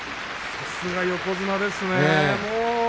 さすが横綱ですね。